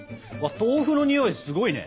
豆腐のにおいすごいね。